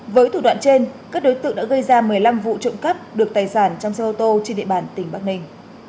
với thủ đoạn trên các đối tượng đã gây ra một mươi năm vụ trộm cắp được tài sản trong xe ô tô trên địa bàn tỉnh bắc ninh